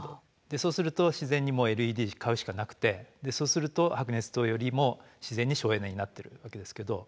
そうすると自然にＬＥＤ買うしかなくてそうすると白熱灯よりも自然に省エネになってるわけですけど。